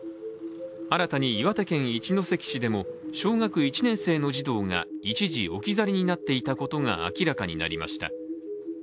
新たに岩手県一関市でも小学１年生の児童が、一時置き去りになっていたことが明らかになりました。